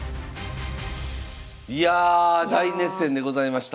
いや大熱戦でございました。